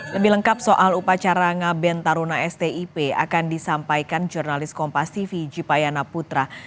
lebih lengkap soal upacara ngaben taruna stip akan disampaikan jurnalis kompas tv jupayana putra